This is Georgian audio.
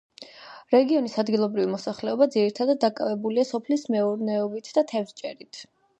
რეგიონის ადგილობრივი მოსახლეობა ძირითადად დაკავებულია სოფლის მეურნეობით და თევზჭერით.